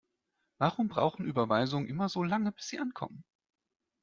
Warum brauchen Überweisungen immer so lange, bis sie ankommen?